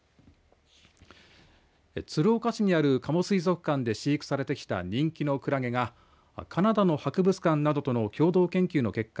鶴岡市にある加茂水族館で飼育されてきた人気のクラゲがカナダの博物館などとの共同研究の結果